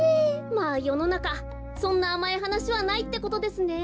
まあよのなかそんなあまいはなしはないってことですね。